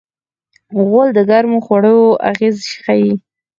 غول د ګرمو خوړو اغېز ښيي.